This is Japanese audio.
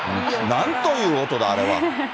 なんという音だ、あれは。